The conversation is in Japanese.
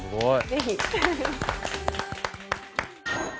ぜひ。